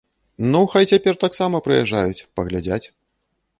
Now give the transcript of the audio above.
Ну хай цяпер таксама прыязджаюць, паглядзяць.